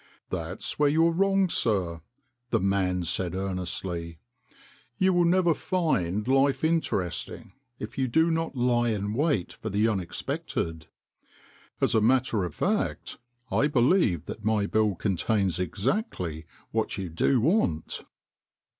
" That's where you are wrong, sir," the man said earnestly. " You will never find life interesting if you do not lie in wait for the unexpected. As a matter of fact, I believe that my bill contains exactly what you do want."